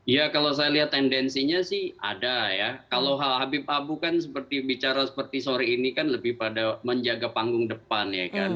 ya kalau saya lihat tendensinya sih ada ya kalau hal habib abu kan seperti bicara seperti sore ini kan lebih pada menjaga panggung depan ya kan